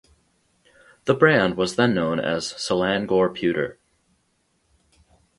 The brand was then known as Selangor Pewter.